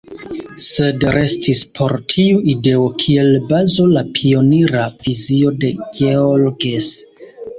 Sed restis por tiu ideo kiel bazo la pionira vizio de Georges.